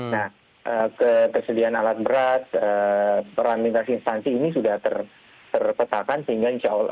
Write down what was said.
nah ketersediaan alat berat peran lintas instansi ini sudah terpetakan sehingga insya allah